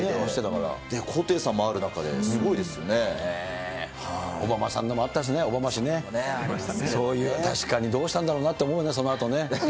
高低差もある中ですごいですオバマさんのもあったしね、小浜市ね、確かにどうしたんだろうと思うよね、そのあとね。